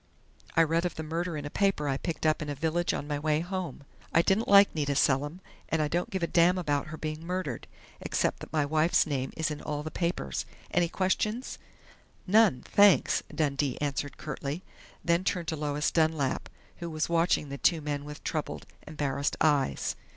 I read of the murder in a paper I picked up in a village on my way home. I didn't like Nita Selim, and I don't give a damn about her being murdered, except that my wife's name is in all the papers.... Any questions?" "None, thanks!" Dundee answered curtly, then turned to Lois Dunlap who was watching the two men with troubled, embarrassed eyes.